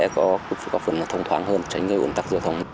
có phần thông thoáng hơn tránh gây ổn tắc giao thông